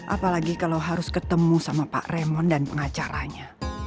apalagi kalo harus ketemu sama pak raymond dan pengacaranya